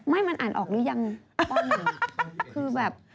ไม่มันอ่านออกหรือยังป๑คือแบบ